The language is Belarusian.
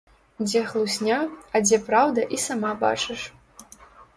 Дзе хлусня, а дзе праўда і сама бачыш.